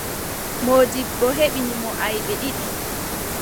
Moodibbo heɓini mo aybe ɗiɗi.